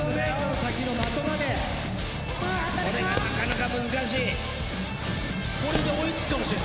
さあこれがなかなか難しい。